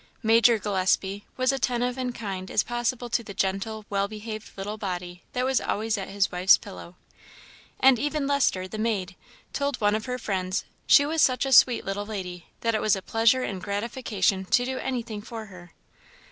Major Gillespie was attentive and kind as possible to the gentle, well behaved little body that was always at his wife's pillow; and even Lester, the maid, told one of her friends "she was such a sweet little lady, that it was a pleasure and gratification to do anything for her."